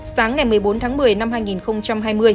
sáng ngày một mươi bốn tháng một mươi năm hai nghìn hai mươi